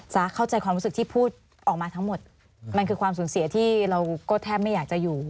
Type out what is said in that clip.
เข้าใจความรู้สึกที่พูดออกมาทั้งหมดมันคือความสูญเสียที่เราก็แทบไม่อยากจะอยู่